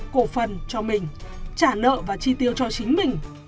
cổ phần cho mình trả nợ và chi tiêu cho chính mình